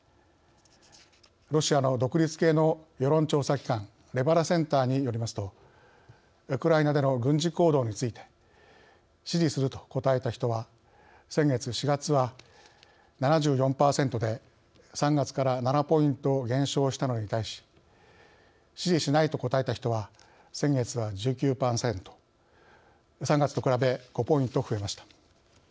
ロシアの独立系の世論調査機関レバダセンターによりますとウクライナでの軍事行動について「支持する」と答えた人は先月４月は７４％で３月から７ポイント減少したのに対し「支持しない」と答えた人は先月は１９％３月と比べ５ポイント増えました。